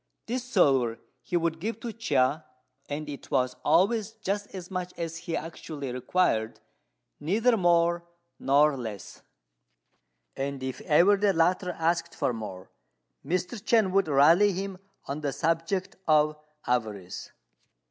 This silver he would give to Chia, and it was always just as much as he actually required, neither more nor less; and if ever the latter asked for more, Mr. Chên would rally him on the subject of avarice.